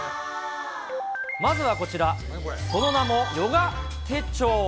まずはこちら、その名も、ヨガ手帳。